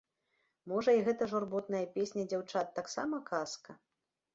Можа, і гэта журботная песня дзяўчат таксама казка?